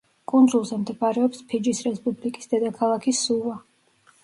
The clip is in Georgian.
კუნძულზე მდებარეობს ფიჯის რესპუბლიკის დედაქალაქი სუვა.